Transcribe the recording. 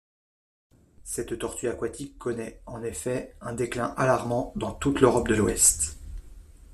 Cette tortue aquatique connaît, en effet, un déclin alarmant dans toute l’Europe de l’Ouest.